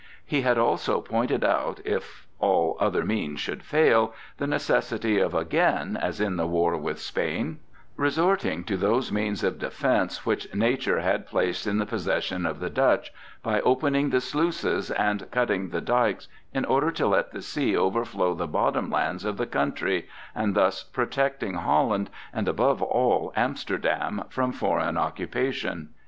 He had also pointed out (if all other means should fail) the necessity of again, as in the war with Spain, resorting to those means of defence which nature had placed in the possession of the Dutch, by opening the sluices and cutting the dykes, in order to let the sea overflow the bottom lands of the country, and thus protecting Holland, and above all Amsterdam, from foreign occupation.